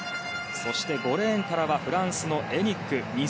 ５レーンからはフランスのエニック。